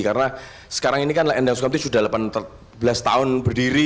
karena sekarang ini kan la endang sukamti sudah delapan belas tahun berdiri